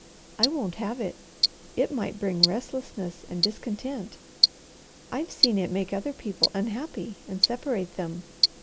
I won't have it! It might bring restlessness and discontent. I've seen it make other people unhappy and separate them.